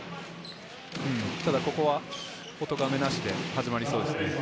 ただここはおとがめなしで始まりそうです。